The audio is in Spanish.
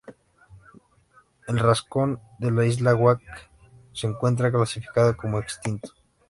El rascón de la isla Wake se encuentra clasificado como extinto.